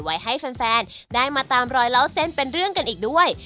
ให้แฟนได้มาตามรอยเล่าเส้นเป็นเรื่องกันอีกด้วย